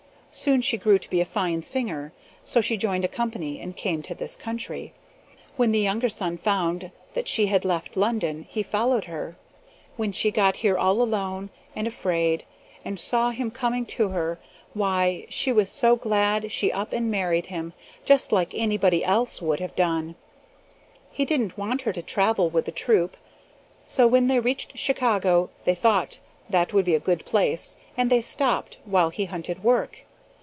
Soon she grew to be a fine singer, so she joined a company and came to this country. "When the younger son found that she had left London, he followed her. When she got here all alone, and afraid, and saw him coming to her, why, she was so glad she up and married him, just like anybody else would have done. He didn't want her to travel with the troupe, so when they reached Chicago they thought that would be a good place, and they stopped, while he hunted work.